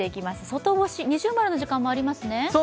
外干し、◎の時間もありますね。